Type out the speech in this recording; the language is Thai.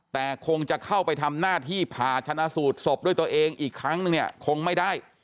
แต่คงจะเข้าไปทำหน้าที่ผ่าชนะสูตรศพด้วยตัวเองอีกครั้งนึงเนี่ยคงไม่ได้